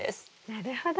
なるほど。